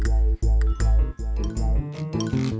โอ้โหโอ้โหโอ้โห